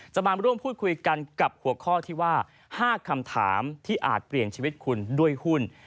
จะมาร่วมพูดคุยกันกับหัวข้อที่ว่า๕คำถามที่อาจเปลี่ยนชีวิตคุณด้วยหุ้น